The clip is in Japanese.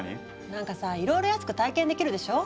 なんかさいろいろ安く体験できるでしょ？